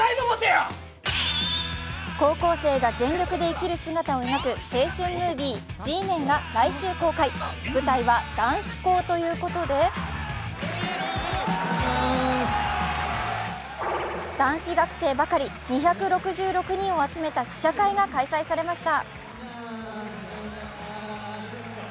高校生が全力で生きる姿を描く青春ムービー、「Ｇメン」が来週公開、舞台は男子校ということで男子学生ばかり２６６人を集めた試写会が開催されました。